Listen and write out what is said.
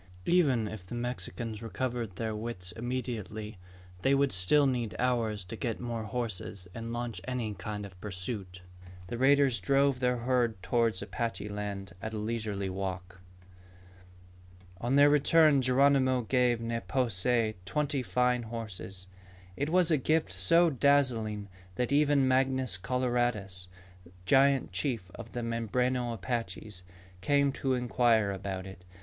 Even if the Mexicans recovered their wits immediately, they would still need hours to get more horses and launch any kind of pursuit. The raiders drove their herd toward Apache land at a leisurely walk. [Illustration: Geronimo brought the skins of puma] On their return Geronimo gave Ne po se twenty fine horses. It was a gift so dazzling that even Mangus Coloradus, giant chief of the Mimbreno Apaches, came to inquire about it.